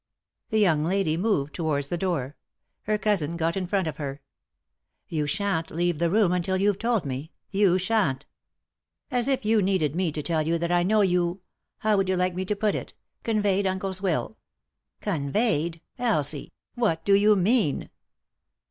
The young lady moved towards the door. Her cousin got in front of her. " You shan't leave the room until you've told me — you shan't I " "As if you needed me to tell you that I know you — how would you like me to put it ?— conveyed uncle's will." " Conveyed ?— Elsie I What do you mean